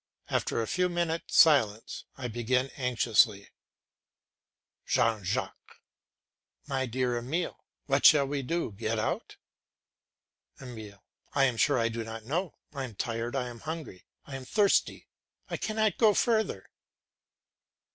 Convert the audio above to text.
After a few minutes' silence I begin anxiously JEAN JACQUES. My dear Emile, what shall we do get out? EMILE. I am sure I do not know. I am tired, I am hungry, I am thirsty. I cannot go any further.